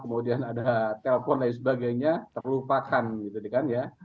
kemudian ada telpon dan sebagainya terlupakan gitu kan ya